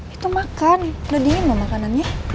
itu makan udah dingin loh makanannya